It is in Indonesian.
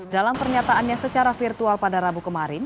dalam pernyataannya secara virtual pada rabu kemarin